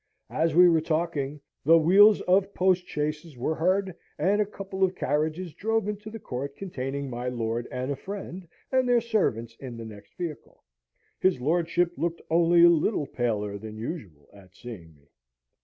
As we were talking, the wheels of postchaises were heard, and a couple of carriages drove into the court containing my lord and a friend, and their servants in the next vehicle. His lordship looked only a little paler than usual at seeing me.